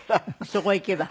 そこ行けば？